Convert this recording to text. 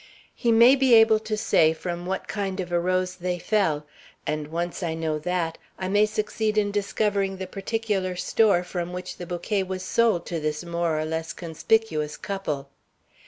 "He may be able to say from what kind of a rose they fell, and once I know that, I may succeed in discovering the particular store from which the bouquet was sold to this more or less conspicuous couple."